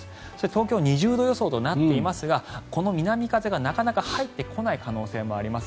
東京、２０度予想となっていますがこの南風がなかなか入ってこない可能性もあります。